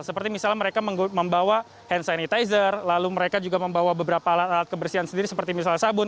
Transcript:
seperti misalnya mereka membawa hand sanitizer lalu mereka juga membawa beberapa alat alat kebersihan sendiri seperti misalnya sabun